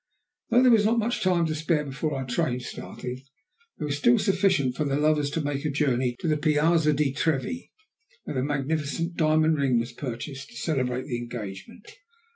Though there was not much time to spare before our train started, there was still sufficient for the lovers to make a journey to the Piazza di Trevi, where a magnificent diamond ring was purchased to celebrate the engagement.